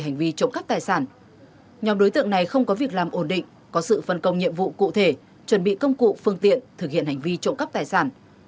nhóm đối tượng này không có việc làm ổn định có sự phân công nhiệm vụ cụ thể chuẩn bị công cụ phương tiện thực hiện hành vi trộm cắp tài sản